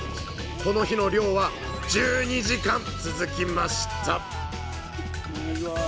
この日の漁は１２時間続きましたすごい。